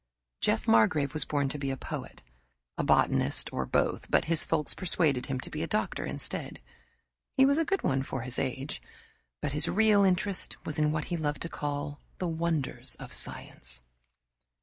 Jeff Margrave was born to be a poet, a botanist or both but his folks persuaded him to be a doctor instead. He was a good one, for his age, but his real interest was in what he loved to call "the wonders of science."